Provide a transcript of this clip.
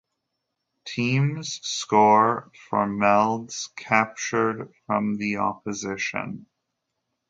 Teams score for melds captured from the opposition.